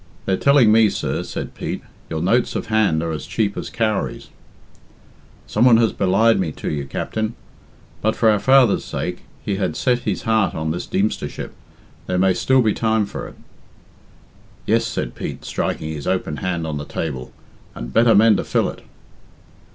"They're telling me, sir," said Pete, "your notes of hand are as cheap as cowries." "Some one has belied me to you, Captain. But for our father's sake he has set his heart on this Deemstership there may still be time for it." "Yes," said Pete, striking his open hand on the table, "and better men to fill it."